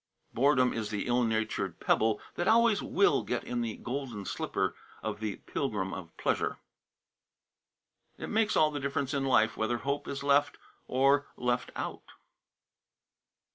'" "Boredom is the ill natured pebble that always will get in the golden slipper of the pilgrim of pleasure." "It makes all the difference in life whether hope is left or left out!"